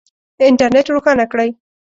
انټرنېټ روښانه کړئ